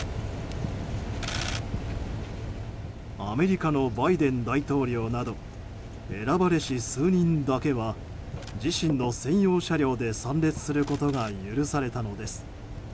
アメリカのバイデン大統領など選ばれし数人だけは自身の専用車両で参列することが許されたのです。